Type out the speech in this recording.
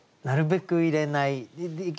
なるべく入れない。